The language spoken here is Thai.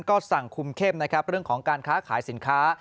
ก็ส่ังคุมเข้มเรื่องของการค้าขายสินค้า